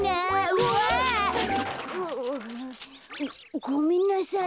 うわ。ごめんなさい。